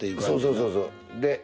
そうそうそうそう。